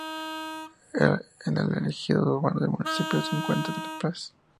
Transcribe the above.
En el ejido urbano del municipio se encuentran tres plazas.